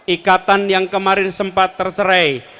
ikatan yang kemarin sempat terserai